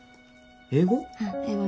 英語？